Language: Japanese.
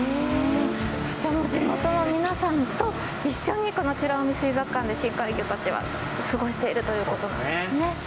じゃあ地元の皆さんと一緒にこの美ら海水族館で深海魚たちは過ごしているということなんですね。